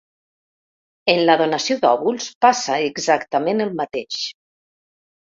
En la donació d’òvuls passa exactament el mateix.